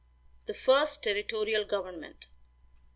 THE FIRST TERRITORIAL GOVERNMENT.